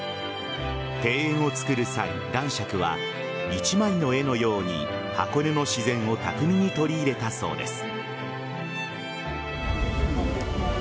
庭園を造る際、男爵は一枚の絵のように箱根の自然を巧みに取り入れたそうです。